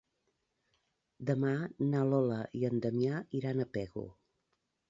Demà na Lola i en Damià iran a Pego.